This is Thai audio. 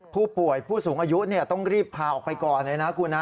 ผู้ป่วยผู้สูงอายุต้องรีบพาออกไปก่อนเลยนะคุณนะ